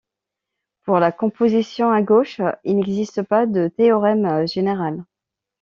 Pour la composition à gauche, il n'existe pas de théorème général.